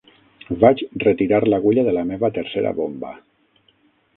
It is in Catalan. Vaig retirar l'agulla de la meva tercera bomba